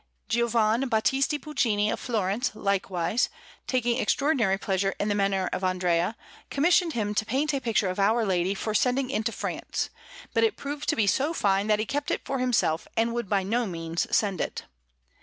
Giovan Battista Puccini of Florence, likewise, taking extraordinary pleasure in the manner of Andrea, commissioned him to paint a picture of Our Lady for sending into France; but it proved to be so fine that he kept it for himself, and would by no means send it.